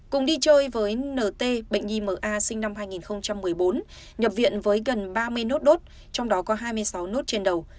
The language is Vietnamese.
cùng đi chơi với nt bệnh nhi ma sinh năm hai nghìn một mươi bốn nhập viện với gần ba mươi nốt đốt trong đó có hai mươi sáu nốt trên đầu